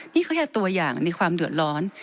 นี่เขาแค่ตัวอย่างในความเดือดร้อน